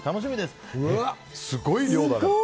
すごい量だね。